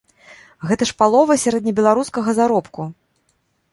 Гэта ж палова сярэднебеларускага заробку.